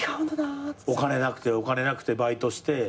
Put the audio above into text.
お金なくてお金なくてバイトして。